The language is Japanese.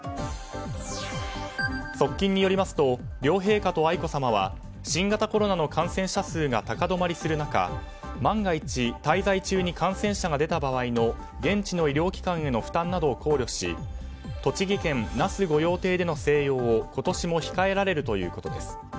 側近によりますと両陛下と愛子さまは新型コロナの感染者数が高止まりする中万が一滞在中に感染者が出た場合の現地の医療機関への負担などを考慮し栃木県那須御用邸での静養を今年も控えられるということです。